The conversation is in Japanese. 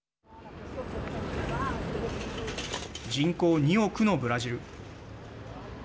人口２億のブラジル。